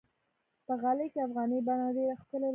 په غالۍ کې افغاني بڼه ډېره ښکلي وي.